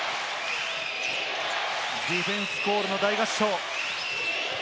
ディフェンスコールの大合唱。